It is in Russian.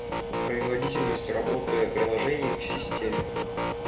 Производительность работы приложений в системе